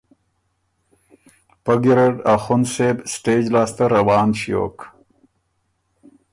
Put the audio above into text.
پۀ ګیرډ اخوند صېب سټېج لاسته روان ݭیوک